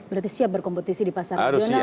berarti siap berkompetisi di pasar regional